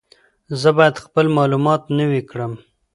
زه باید خپل معلومات نوي کړم.